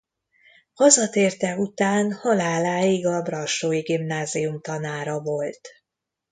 Hazatérte után haláláig a brassói gimnázium tanára volt.